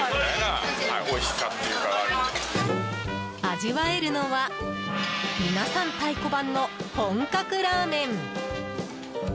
味わえるのは皆さん太鼓判の本格ラーメン。